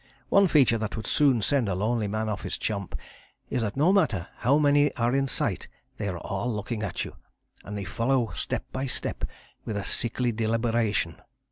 One feature that would soon send a lonely man off his chump is that no matter how many are in sight they are all looking at you, and they follow step by step with a sickly deliberation.